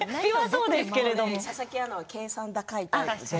佐々木アナは計算高いので。